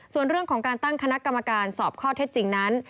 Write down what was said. ส่วนเรื่องของการตั้งคณะกรรมการสอบข้อเท็จจริงนั้น